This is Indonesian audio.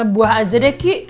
buah aja deh ki